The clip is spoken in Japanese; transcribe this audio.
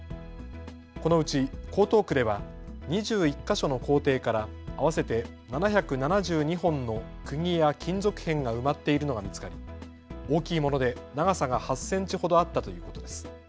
このうち江東区では２１か所の校庭から合わせて７７２本のくぎや金属片が埋まっているのが見つかり大きいもので長さが８センチほどあったということです。